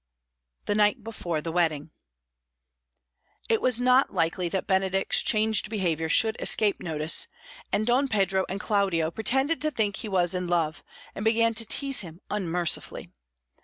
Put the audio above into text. The Night before the Wedding It was not likely that Benedick's changed behaviour should escape notice, and Don Pedro and Claudio pretended to think he was in love, and began to tease him unmercifully.